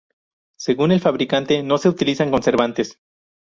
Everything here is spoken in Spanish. Según el fabricante, no se utilizan conservantes.